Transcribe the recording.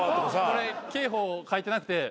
これ刑法書いてなくて。